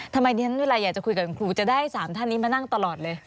ทำไมดิฉันเวลาอยากจะคุยกับคุณครูจะได้๓ท่านนี้มานั่งตลอดเลย